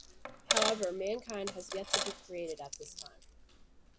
However mankind has yet to be created at this time.